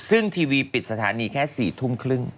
ซึ่งทีวีปิดสถานีแค่๔ทุ่มครึ่ง